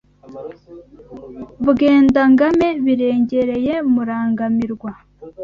Bwendangame birengereye Murangamirwa